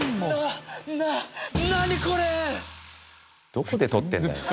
どこで撮ってるんだよ。